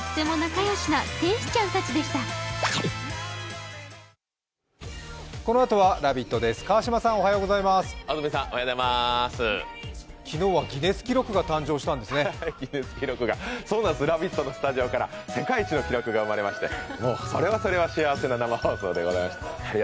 そうなんです、「ラヴィット！」のスタジオから世界一の記録が生まれまして、それはそれは幸せな生放送でございました。